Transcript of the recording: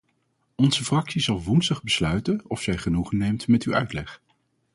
Onze fractie zal woensdag besluiten of zij genoegen neemt met uw uitleg.